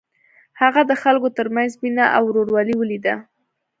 هغه د خلکو تر منځ مینه او ورورولي ولیده.